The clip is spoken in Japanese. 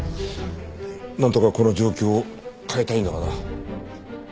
なんとかこの状況を変えたいんだがな。